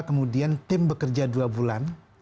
kemudian tim bekerja dua bulan